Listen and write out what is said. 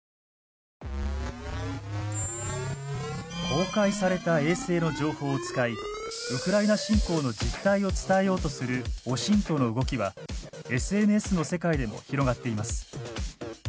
公開された衛星の情報を使いウクライナ侵攻の実態を伝えようとするオシントの動きはＳＮＳの世界でも広がっています。